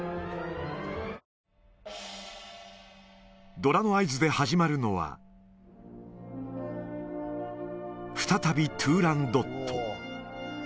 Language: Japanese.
どらの合図で始まるのは、再びトゥーランドット。